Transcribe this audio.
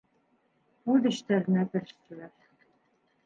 Үҙ эштәренә керештеләр.